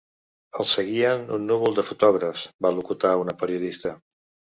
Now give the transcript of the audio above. Els seguien un núvol de fotògrafs, va locutar una periodista.